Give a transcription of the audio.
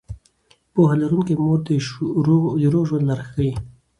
پوهه لرونکې مور د روغ ژوند لاره ښيي.